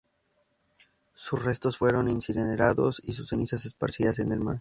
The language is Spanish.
Sus restos fueron incinerados y sus cenizas esparcidas en el mar.